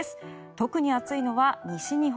特に暑いのは西日本。